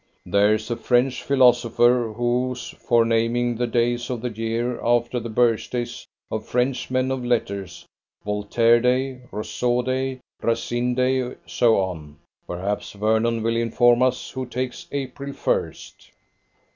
There's a French philosopher who's for naming the days of the year after the birthdays of French men of letters. Voltaire day, Rousseau day, Racine day, so on. Perhaps Vernon will inform us who takes April 1st."